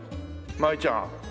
マイちゃん。